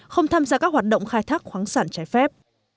không tham gia các hoạt động khai thác quán sản cháy phép